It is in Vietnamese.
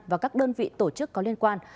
và các đơn vị tổ chức có liên quan